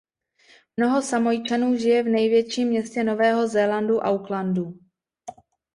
Mnoho Samojčanů žije v největším městě Nového Zélandu Aucklandu.